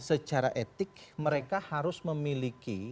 secara etik mereka harus memiliki